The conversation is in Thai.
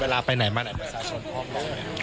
เวลาไปไหนมาล่ะสาชนฮอมร้อมไหน